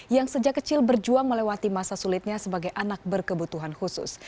yang sejak kecil berjuang melewati masa sulitnya sebagai anak berkebutuhan khusus